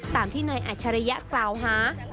ตามที่นายอัชริยะกล่าวหา